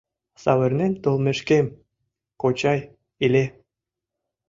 Савырнен толмешкем, кочай, иле.